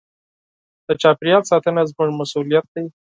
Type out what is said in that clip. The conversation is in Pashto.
د چاپېریال ساتنه زموږ مسوولیت دی.